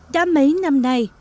đã mấy năm nay